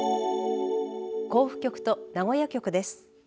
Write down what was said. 甲府局と名古屋局です。